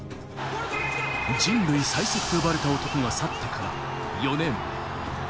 人類最速と呼ばれた男が去ってから４年。